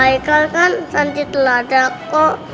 eh kan kan santri teladan kok